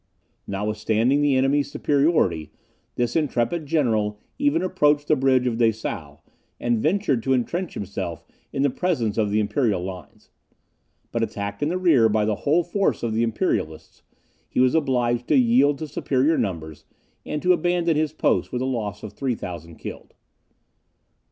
Notwithstanding the enemy's superiority, this intrepid general even approached the bridge of Dessau, and ventured to entrench himself in presence of the imperial lines. But attacked in the rear by the whole force of the Imperialists, he was obliged to yield to superior numbers, and to abandon his post with the loss of 3,000 killed.